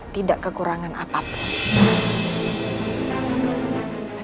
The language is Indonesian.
tidak kekurangan apapun